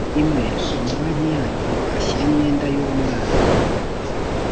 imwe amabanki yandi ashyira imyenda y uwo mwana